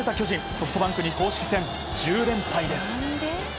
ソフトバンクに公式戦１０連敗です。